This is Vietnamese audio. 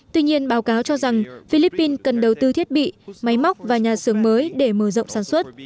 tuy nhiên báo cáo cho rằng philippines cần đầu tư thiết bị máy móc và nhà xưởng mới để mở rộng sản xuất